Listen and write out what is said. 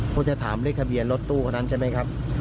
เขาจะถามเลขทะเบียนรถตู้คนนั้นใช่ไหมครับ